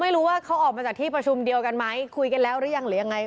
ไม่รู้ว่าเขาออกมาจากที่ประชุมเดียวกันไหมคุยกันแล้วหรือยังหรือยังไง